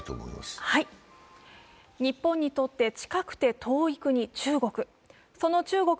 日本にとって近くて遠い国、中国。